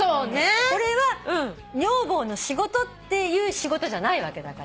これは女房の仕事っていう仕事じゃないわけだから。